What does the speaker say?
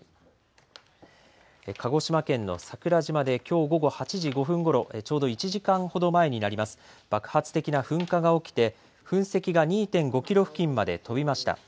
鹿児島県の桜島できょう午後８時５分ごろちょうど１時間ほど前になります、爆発的な噴火が起きて噴石が２．５キロ付近まで飛びました。